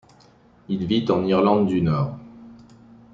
Il vit en Irlande du Nord.